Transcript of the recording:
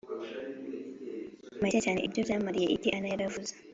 Make cyane ibyo byamariye iki anna yaravuze